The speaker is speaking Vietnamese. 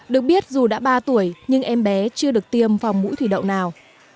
được biết dù đã ba tuổi nhưng em bé chưa được tiêm phòng mũi thủy đậu nào